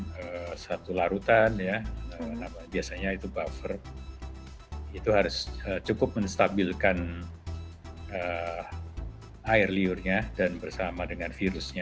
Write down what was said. ada satu larutan ya biasanya itu buffer itu harus cukup menstabilkan air liurnya dan bersama dengan virusnya